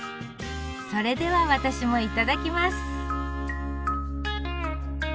それでは私もいただきます！